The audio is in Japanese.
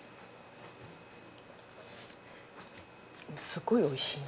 すごいおいしいな。